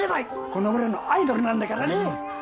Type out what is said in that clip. この村のアイドルなんだからね。